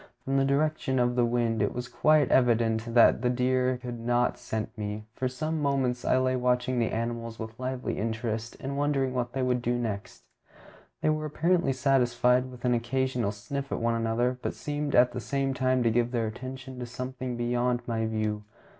From the direction of the wind it was quite evident that the deer could not scent me, so for some moments I lay watching the animals with lively interest, and wondering what they would do next. They were apparently satisfied with an occasional sniff at one another, but seemed at the same time to give their attention to something beyond my view.